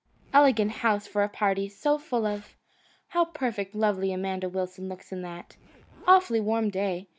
"Elegant house for a party, so full of " "How perfectly lovely Amanda Wilson looks in that " "Awfully warm day!